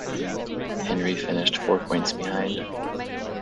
Henri finished four points behind.